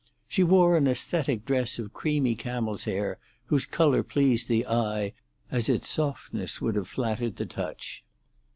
She wore an aesthetic dress of creamy camel's hair, whose colour pleased the eye as its softness would have flattered the touch.